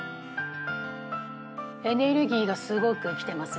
エネルギーがすごく来てます